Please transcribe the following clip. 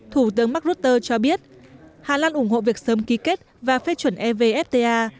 thủ tướng mark rutter cho biết hà lan ủng hộ việc sớm ký kết và phê chuẩn evfta